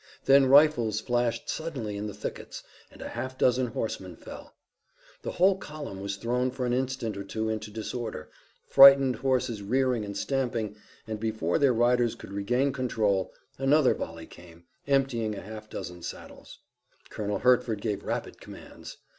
Then rifles flashed suddenly in the thickets, and a half dozen horsemen fell. The whole column was thrown for an instant or two into disorder, frightened horses rearing and stamping, and, before their riders could regain control, another volley came, emptying a half dozen saddles. Colonel Hertford gave rapid commands.